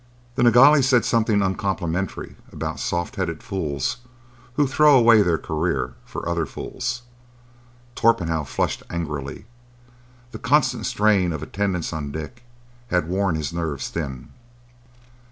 The Nilghai said something uncomplimentary about soft headed fools who throw away their careers for other fools. Torpenhow flushed angrily. The constant strain of attendance on Dick had worn his nerves thin.